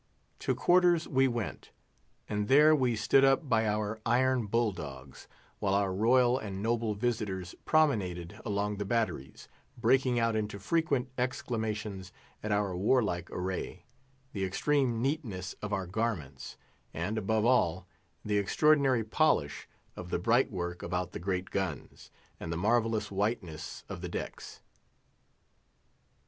To quarters we went; and there we stood up by our iron bull dogs, while our royal and noble visitors promenaded along the batteries, breaking out into frequent exclamations at our warlike array, the extreme neatness of our garments, and, above all, the extraordinary polish of the bright work about the great guns, and the marvellous whiteness of the decks.